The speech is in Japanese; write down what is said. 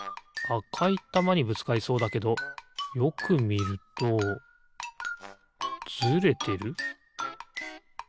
あかいたまにぶつかりそうだけどよくみるとずれてる？